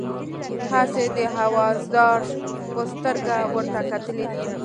هسې د اوزار په سترګه ورته کتلي دي.